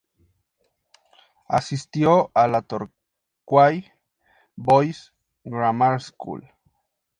Asistió a la Torquay Boys' Grammar School.